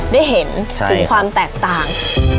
ได้เห็นถึงความแตกต่าง